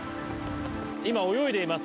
今、泳いでいます。